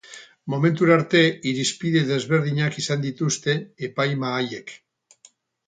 Momentura arte irizpide desberdinak izan dituzte epaimahaiek.